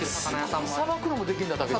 さばくのもできるんだ。